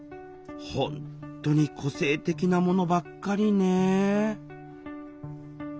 本当に個性的なものばっかりね